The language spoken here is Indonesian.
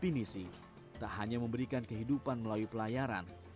penisi tak hanya memberikan kehidupan melayu pelayaran